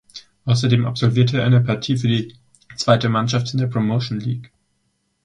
Ausserdem absolvierte er eine Partie für die zweite Mannschaft in der Promotion League.